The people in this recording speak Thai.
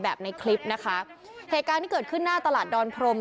ในคลิปนะคะเหตุการณ์ที่เกิดขึ้นหน้าตลาดดอนพรม